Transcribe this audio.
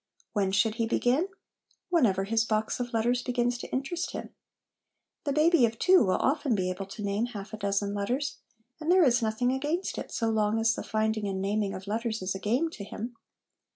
When should he begin ? Whenever his box of letters begins to interest him. The baby of two will often be able to name half a dozen letters ; and there is nothing against it so long as the finding and naming of letters is a game to him.